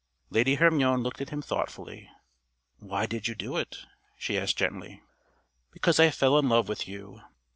Lady Hermione looked at him thoughtfully. "Why did you do it?" she asked gently. "Because I fell in love with you."